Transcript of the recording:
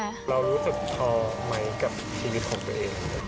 เรารู้สึกพอไหมกับชีวิตของตัวเอง